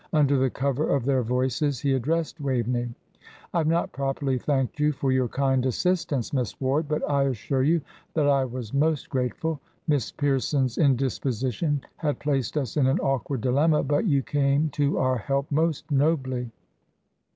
Under the cover of their voices he addressed Waveney. "I have not properly thanked you for your kind assistance, Miss Ward, but I assure you that I was most grateful. Miss Pierson's indisposition had placed us in an awkward dilemma, but you came to our help most nobly."